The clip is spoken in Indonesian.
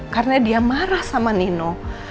karena dia marah sama nino